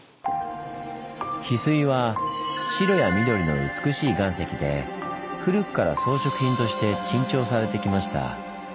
ヒスイは白や緑の美しい岩石で古くから装飾品として珍重されてきました。